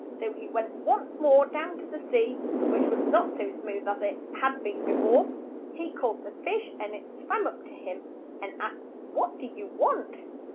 So he went once more down to the sea, which was not so smooth as it had been be fore. He called the fish, and it swam up to him and asked, "What do you want?'